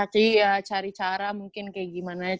mungkin cari cara mungkin kayak gimana